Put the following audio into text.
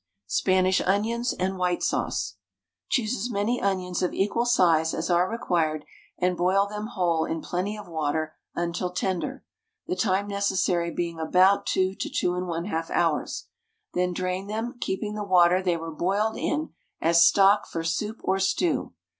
SPANISH ONIONS AND WHITE SAUCE. Choose as many onions of equal size as are required and boil them whole in plenty of water until tender; the time necessary being about 2 to 2 1/2 hours. Then drain them, keeping the water they were boiled in as stock for soup or stew.